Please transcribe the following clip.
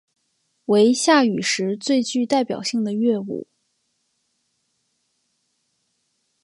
为夏禹时最具代表性的乐舞。